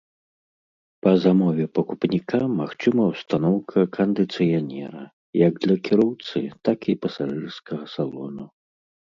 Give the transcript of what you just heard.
Па замове пакупніка магчыма ўстаноўка кандыцыянера, як для кіроўцы, так і пасажырскага салону.